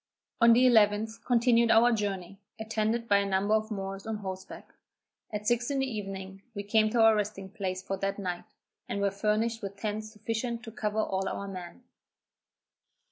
On the 11th, continued our journey, attended by a number of Moors on horseback. At six in the evening we came to our resting place for that night, and were furnished with tents sufficient to cover all our men.